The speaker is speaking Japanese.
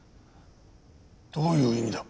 どういう意味だ？